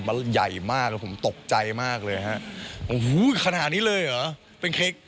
มันใหญ่มากแล้วผมตกใจมากเลยฮะโอ้โหขนาดนี้เลยเหรอเป็นเค้ก